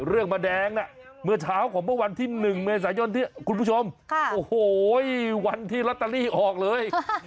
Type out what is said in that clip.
มาแดงน่ะเมื่อเช้าของเมื่อวันที่๑เมษายนที่คุณผู้ชมโอ้โหวันที่ลอตเตอรี่ออกเลย